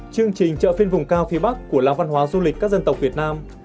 chương trình chợ phiên vùng cao phía bắc của làng văn hóa du lịch các dân tộc việt nam